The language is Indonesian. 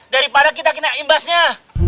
daripada kita kena imbasnya